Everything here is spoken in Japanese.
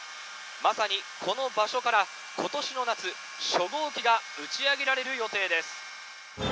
まさにこの場所から、ことしの夏、初号機が打ち上げられる予定です。